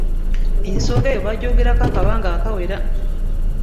Ensonga eyo baagyogerako akabanga akawera.